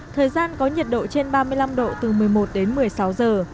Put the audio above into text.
thời gian có nhiệt độ trên ba mươi năm độ từ một mươi một đến một mươi sáu giờ